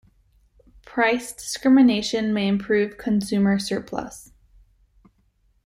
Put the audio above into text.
Price discrimination may improve consumer surplus.